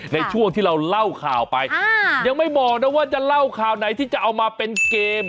ในช่วงที่เราเล่าข่าวไปยังไม่บอกนะว่าจะเล่าข่าวไหนที่จะเอามาเป็นเกม